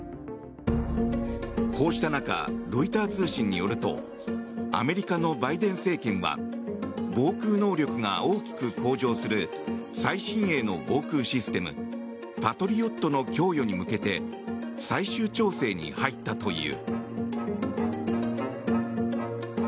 こうした中ロイター通信によるとアメリカのバイデン政権は防空能力が大きく向上する最新鋭の防空システムパトリオットの供与に向けて最終調整に入ったという。